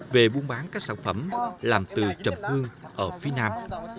về buôn bán các sản phẩm làm từ trầm cua ở phía nam